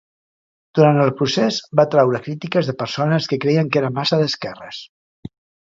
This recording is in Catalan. Durant el procés, va atraure crítiques de persones que creien que era massa 'd'esquerres'.